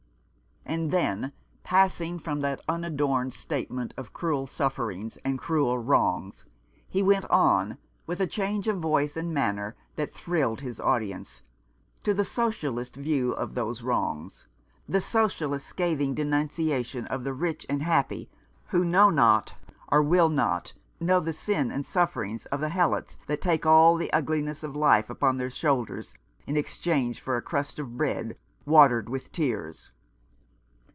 And then — passing from that unadorned state ment of cruel sufferings and cruel wrongs, he went on, with a change of voice and manner that thrilled his audience, to the socialist's view of those wrongs, the socialist's scathing denunciation 227 Rough Justice. of the rich and happy who know not or will not know the sin and sufferings of the helots that take all the ugliness of life upon their shoulders in ex change for a crust of bread watered with tears.